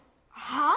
はあ？